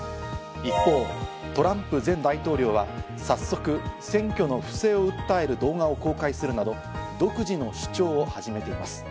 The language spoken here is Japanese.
一方、トランプ前大統領はさっそく選挙の不正を訴える動画を公開するなど、独自の主張を始めています。